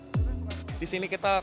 pengelola sudah memastikan keamanan nya